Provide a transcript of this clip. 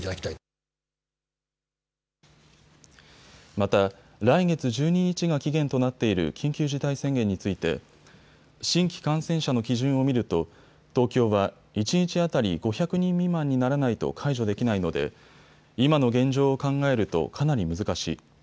また来月１２日が期限となっている緊急事態宣言について新規感染者の基準を見ると東京は一日当たり５００人未満にならないと解除できないので今の現状を考えるとかなり難しい。